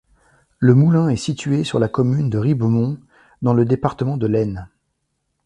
Le moulin est situé sur la commune de Ribemont, dans le département de l'Aisne.